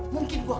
mungkin gue kotor